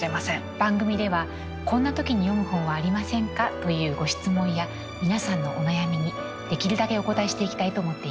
番組では「こんな時に読む本はありませんか？」というご質問や皆さんのお悩みにできるだけお応えしていきたいと思っています。